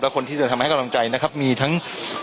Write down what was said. คนที่เดินทางมาให้กำลังใจนะครับมีทั้ง